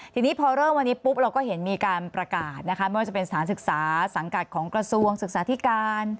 ทีนี้พอเริ่มวันนี้ปุ๊บเราก็เห็นมีการประกาศนะคะไม่ว่าจะเป็นสถานศึกษาสังกัดของกระทรวงศึกษาธิการ